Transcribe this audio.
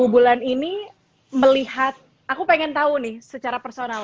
sepuluh bulan ini melihat aku pengen tahu nih secara personal